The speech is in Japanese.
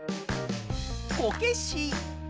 こけし。